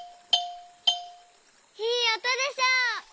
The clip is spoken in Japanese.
いいおとでしょ！